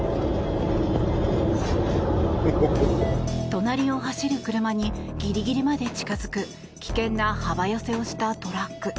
隣を走る車にギリギリまで近付く危険な幅寄せをしたトラック。